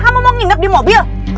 kamu mau nginep di mobil